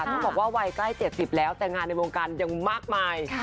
ต้องบอกว่าวัยใกล้๗๐แล้วแต่งานในวงการยังมากมาย